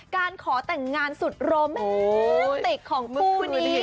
การขอแต่งงานสุดโรแมติกของคู่นี้